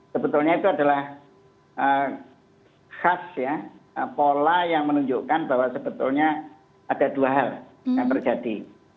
sebetulnya itu adalah khas ya pola yang menunjukkan bahwa sebetulnya ada dua hal yang terjadi